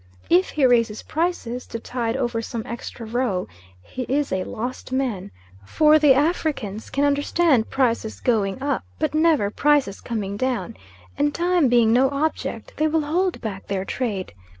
If he raises prices, to tide over some extra row, he is a lost man; for the Africans can understand prices going up, but never prices coming down; and time being no object, they will hold back their trade.